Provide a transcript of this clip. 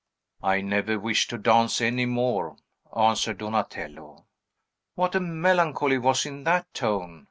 "I never wish to dance any more," answered Donatello. "What a melancholy was in that tone!"